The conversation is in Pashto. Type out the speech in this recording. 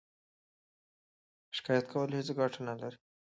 شکایت کول هیڅ ګټه نلري.